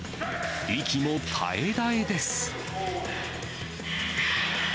息も絶え絶えです。